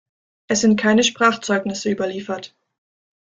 Es sind keine Sprachzeugnisse überliefert.